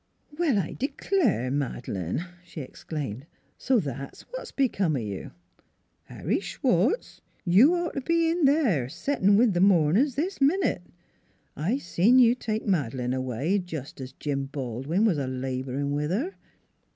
"Well, I d'clare, Mad'lane!" she exclaimed; " so that's what b'come o' you? Harry Schwartz, you'd ought t' be in there, settin' with th' mourn ers this minute: I seen you take Mad'lane away, jes' as Jim Baldwin was a laborin' with her."